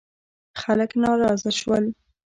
خلک ناراضه شول.